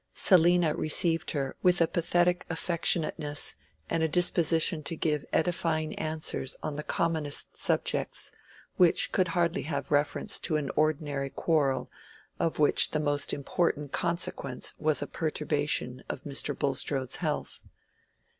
"Selina" received her with a pathetic affectionateness and a disposition to give edifying answers on the commonest topics, which could hardly have reference to an ordinary quarrel of which the most important consequence was a perturbation of Mr. Bulstrode's health.